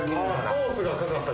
ソースがかかった。